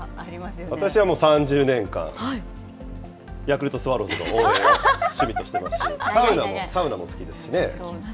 私はもう３０年間、ヤクルトスワローズの応援を趣味としてますし、サウナも好きですしね。